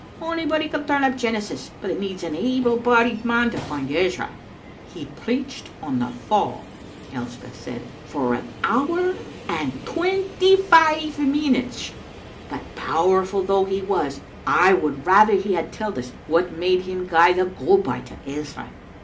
Onybody can turn up Genesis, but it needs an able bodied man to find Ezra." "He preached on the Fall," Elspeth said, "for an hour and twenty five minutes, but powerful though he was I would rather he had telled us what made him gie the go by to Ezra."